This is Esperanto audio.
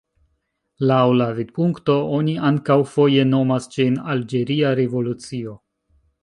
Laŭ la vidpunkto, oni ankaŭ foje nomas ĝin "alĝeria revolucio".